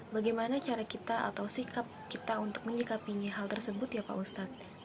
bagaimana cara kita atau sikap kita untuk menyikapi hal tersebut ya pak ustadz